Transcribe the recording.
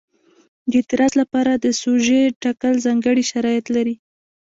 د اعتراض لپاره د سوژې ټاکل ځانګړي شرایط لري.